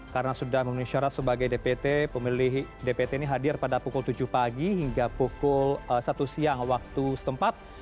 karena sudah memiliki syarat sebagai dpt pemilih dpt ini hadir pada pukul tujuh pagi hingga pukul satu siang waktu setempat